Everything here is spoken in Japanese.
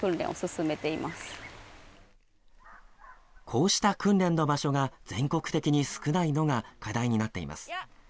こうした訓練の場所が全国的に少ないのが課題になっています。